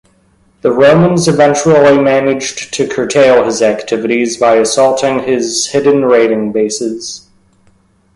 The Romans eventually managed to curtail his activities by assaulting his hidden raiding bases.